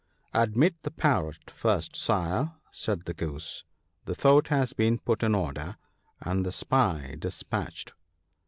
" Admit the Parrot first, Sire," said the Goose ;" the fort has been put in order and the spy despatched."